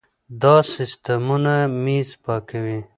دا سیستمونه مېز پاکوي.